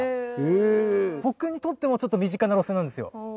僕にとってもちょっと身近な路線なんですよ。